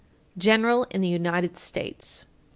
_General in the United States.